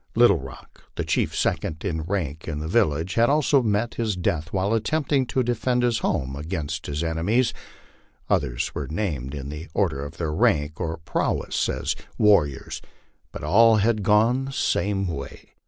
Little Rock, the chief second in rank iu Ihe village, had also met his death wlyle attempting to defend his home against his enemies ; others were named in the order of their rank or prowess as war riors, but all had gone the same way.